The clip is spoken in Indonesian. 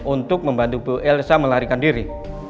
untuk membantu bu elsa melarikan diri